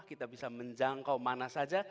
kita bisa menjangkau mana saja